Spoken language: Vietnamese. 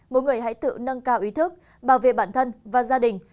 mỗi người hãy tự nâng cao ý thức bảo vệ bản thân và gia đình